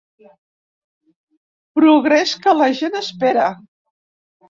Progrés que la gent espera.